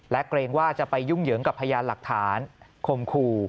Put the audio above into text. และเกรงว่าจะไปยุ่งเหยิงกับพยานหลักฐานคมคู่